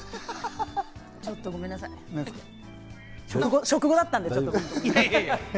ちょっとごめんなさい、食後だったんで。